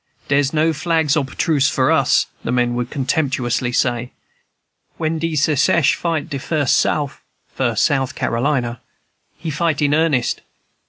"Dere's no flags ob truce for us," the men would contemptuously say. "When de Secesh fight de Fus' Souf" (First South Carolina), "he fight in earnest."